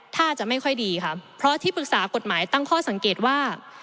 ถ้าจะไม่ค่อยดีค่ะเพราะที่ปรึกษากฎหมายตั้งข้อสังเกตว่า